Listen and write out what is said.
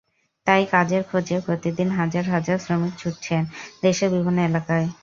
তাই কাজের খোঁজে প্রতিদিন হাজার হাজার শ্রমিক ছুটছেন দেশের বিভিন্ন এলাকায়।